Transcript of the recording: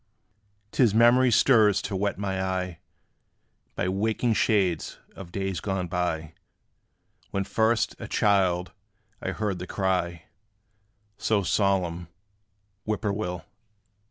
'T is memory stirs to wet my eye By waking shades of days gone by, When first, a child, I heard the cry So solemn, "Whip poor will."